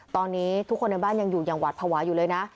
ตอนนี้ทุกคนในบ้านยังอยู่อย่างหวัดภาวะอยู่เลยนะ